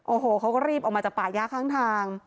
โอ้โหเขาก็รีบออกมาจากป่าย่าข้างทาง